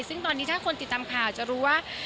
ซึ่งตอนนี้ถ้าคนติดตามข่าวจะรู้ว่า